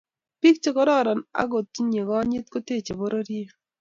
bik chekororon ak che tindoi konyit koteche pororiet.